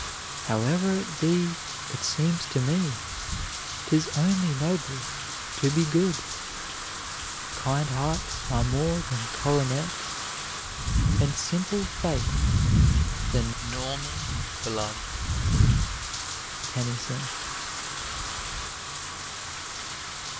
Howe'er it be, it seems to me, 'Tis only noble to be good. Kind hearts are more than coronets, And simple faith than Norman blood. TENNYSON.